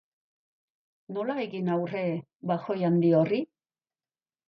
Nola egin aurre bajoi handi horri?